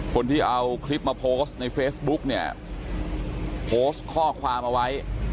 คนที่เอาคลิปมาโพสต์ในเฟซบุ๊กเนี่ยโพสต์ข้อความเอาไว้